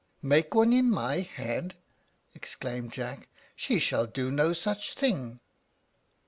"Make one in my head!" exclaimed Jack. "She shall do no such thing."